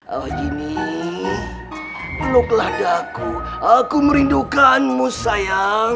om jin peluklah daku aku merindukanmu sayang